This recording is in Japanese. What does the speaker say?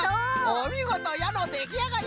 おみごと！やのできあがり！